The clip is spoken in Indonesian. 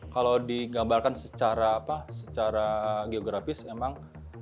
kalau digambarkan secara apa secara geografis emang